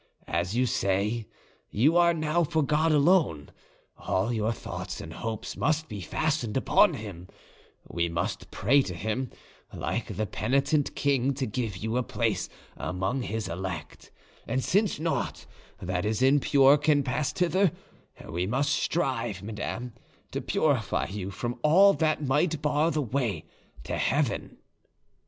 As you say, you are now for God alone; all your thoughts and hopes must be fastened upon Him; we must pray to Him, like the penitent king, to give you a place among His elect; and since nought that is impure can pass thither, we must strive, madame, to purify you from all that might bar the way to heaven."